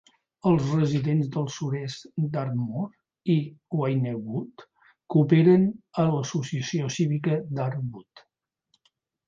Els residents del sud-est d'Ardmore i Wynnewood cooperen a l'Associació Cívica d'ArdWood.